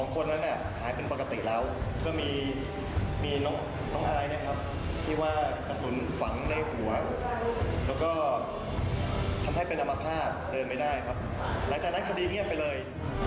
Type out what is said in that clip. คนนั้นหายเป็นปกติแล้วก็มีน้องอายนะครับที่ว่ากระสุนฝังในหัวแล้วก็ทำให้เป็นอมภาษณ์เดินไม่ได้ครับหลังจากนั้นคดีเงียบไปเลย